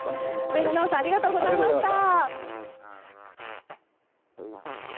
上野直哉さんありがとうございました。